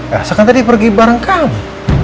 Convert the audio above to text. eh usah kan tadi pergi bareng kamu